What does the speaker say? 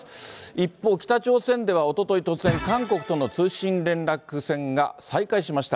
一方、北朝鮮ではおととい、突然、韓国との通信連絡線が再開しました。